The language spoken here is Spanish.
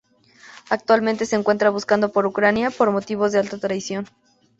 Actualmente se encuentra buscado por Ucrania por motivos de alta traición.